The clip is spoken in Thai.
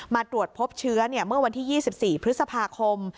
มาตรวจพบเชื้อเมื่อวันที่๒๔พฤษภาคม